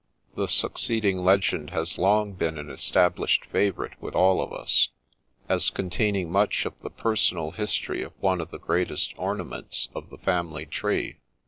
* The succeeding Legend has long been an established favourite with all of us, as containing much of the personal history of one of the greatest ornaments of the family tree.